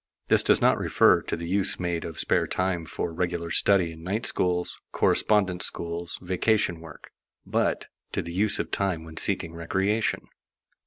_ This does not refer to the use made of spare time for regular study in night schools, correspondence schools, vacation work, but to the use of time when seeking recreation.